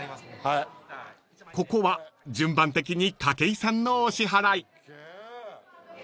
［ここは順番的に筧さんのお支払い］